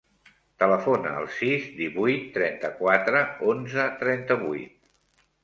Telefona al sis, divuit, trenta-quatre, onze, trenta-vuit.